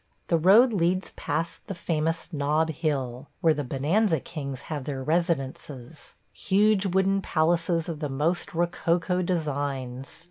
The road leads past the famous Nob Hill, where the bonanza kings have their residences – huge wooden palaces of the most rococo designs.